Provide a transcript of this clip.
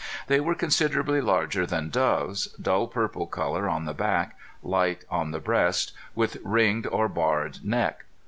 They were considerably larger than doves, dull purple color on the back, light on the breast, with ringed or barred neck.